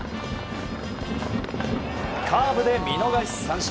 カーブで見逃し三振。